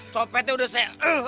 copetnya udah saya